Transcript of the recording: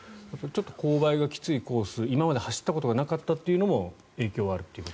ちょっと勾配がきついコースを今まで走ったことがなかったのも影響があるという。